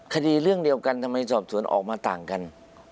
คดีเรื่องเดียวกันทำไมสอบสวนออกมาต่างกัน